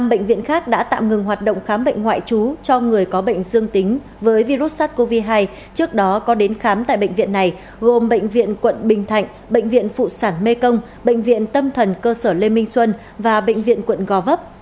năm bệnh viện khác đã tạm ngừng hoạt động khám bệnh ngoại trú cho người có bệnh dương tính với virus sars cov hai trước đó có đến khám tại bệnh viện này gồm bệnh viện quận bình thạnh bệnh viện phụ sản mê công bệnh viện tâm thần cơ sở lê minh xuân và bệnh viện quận gò vấp